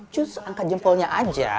cus angkat jempolnya aja